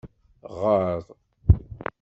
Ɣer.